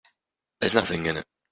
There's nothing in it.